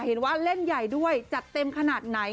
เห็นว่าเล่นใหญ่ด้วยจัดเต็มขนาดไหน